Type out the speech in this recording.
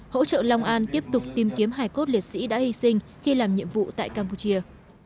hỗ trợ long an tiếp tục tìm kiếm hải cốt liệt sĩ đã hy sinh khi làm nhiệm vụ tại campuchia